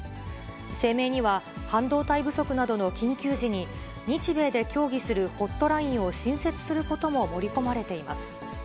声明には、半導体不足などの緊急時に、日米で協議するホットラインを新設することも盛り込まれています。